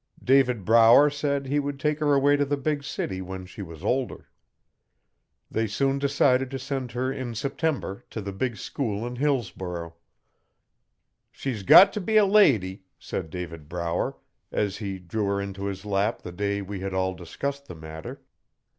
David Brower said he would take her away to the big city when she was older. They soon decided to send her in September to the big school in Hillsborough. 'She's got t' be a lady,' said David Brower, as he drew her into his lap the day we had all discussed the matter.